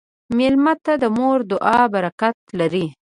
مېلمه ته د مور دعا برکت لري.